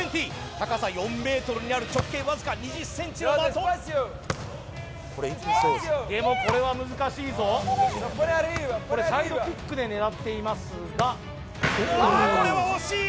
高さ４ｍにある直径わずか２０ｃｍの的でもこれは難しいぞこれサイドキックで狙っていますがこれは惜しい！